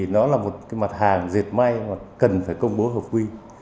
đó là một mặt hàng diệt may mà cần phải công bố hợp quy